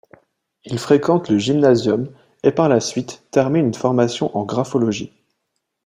Il fréquente le gymnasium et par la suite termine une formation en graphologie.